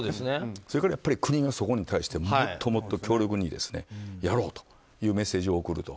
それから、国がそこに関してもっともっと強力にやろうというメッセージを送ると。